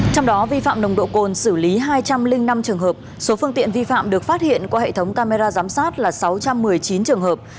trong đó vi phạm nồng độ cồn xử lý hai trăm linh năm trường hợp số phương tiện vi phạm được phát hiện qua hệ thống camera giám sát là sáu trăm một mươi chín trường hợp